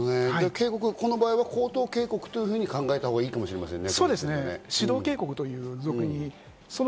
この場合は口頭警告と考えたほうがいいかもしれませんね。